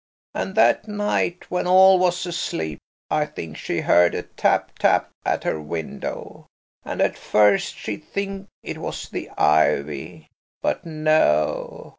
"And that night, when all was asleep, I think she heard a tap, tap at her window, and at first she'd think it was the ivy–but no.